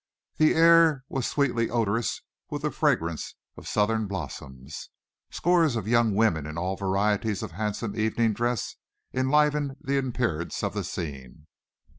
The air was sweetly odorous with the fragrance of southern blossoms. Scores of young women in all varieties of handsome evening dress enlivened the appearance of the scene.